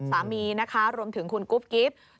สามีรวมถึงคุณกุ๊บกิฟต์